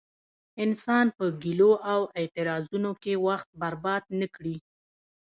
انسان په ګيلو او اعتراضونو کې وخت برباد نه کړي.